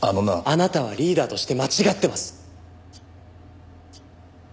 あなたはリーダーとして間違ってます。